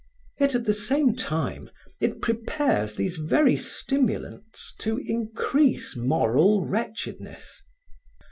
Yet at the same time it prepares these very stimulants to increase moral wretchedness.